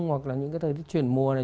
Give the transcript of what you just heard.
hoặc là những cái thời tiết chuyển mùa này